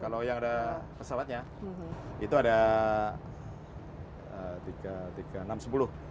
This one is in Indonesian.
kalau yang ada pesawatnya itu ada tiga puluh enam sepuluh